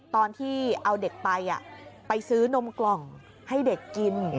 ตอนที่เอาเด็กไปไปซื้อนมกล่องให้เด็กกิน